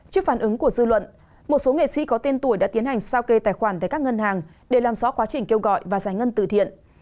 trước phản ứng của dư luận một số nghệ sĩ có tên tuổi đã tiến hành sao kê tài khoản tại các ngân hàng để làm rõ quá trình kêu gọi và giải ngân từ thiện